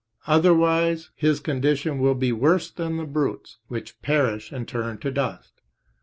Otherwise his condition will be worse than the brutes, which perish and turn to dust.